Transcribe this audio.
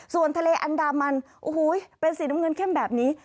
ส่วนทะเลอันดามันโอ้โหเป็นสีน้ำเงินเข้มแบบนี้